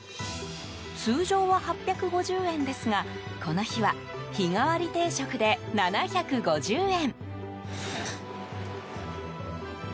通常は８５０円ですが、この日は日替わり定食で７５０円。